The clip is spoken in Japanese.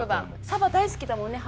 サバ大好きだもんね